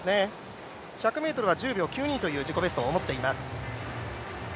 １００ｍは１０秒９２という自己ベストを持っています。